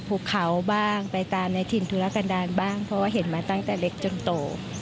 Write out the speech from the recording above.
ภูเขาบ้างไปตามในถิ่นธุรกันดาลบ้างเพราะว่าเห็นมาตั้งแต่เล็กจนโต